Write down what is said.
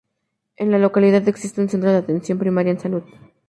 En la localidad existe un centro de atención primaria en salud.